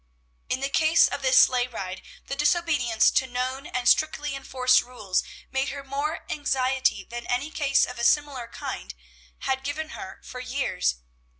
In the case of this sleigh ride, the disobedience to known and strictly enforced rules made her more anxiety than any case of a similar kind had given her for years.